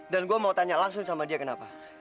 dan gue mau tanya langsung sama dia kenapa